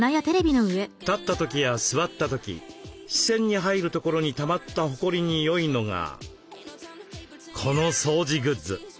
立った時や座った時視線に入るところにたまったほこりに良いのがこの掃除グッズ。